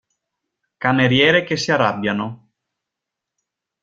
Cameriere che si arrabbiano.